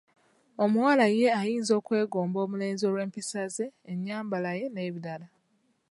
Omuwala ye ayinza okwegomba omulenzi olw'empisa ze, ennyambala ye n'ebirala.